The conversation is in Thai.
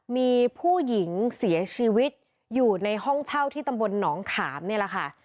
มีผู้หญิงเสียชีวิตอยู่ในห้องเช่าที่ตำบลหนองขามนี่แหละค่ะ